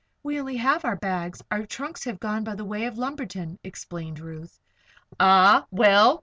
"We only have our bags. Our trunks have gone by the way of Lumberton," explained Ruth. "Ah! Well!